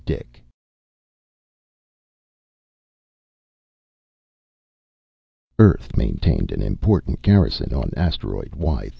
Dick_ Earth maintained an important garrison on Asteroid Y 3.